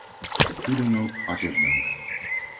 Hoe dan ook, hartelijk dank.